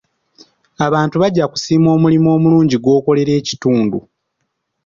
Abantu bajja kusiima omulimu omulungi gw'okolera ekitundu.